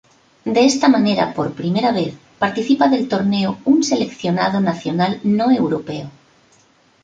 De esta manera, por primera vez participa del torneo un seleccionado nacional no europeo.